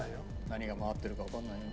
何が回ってるかわからないよ。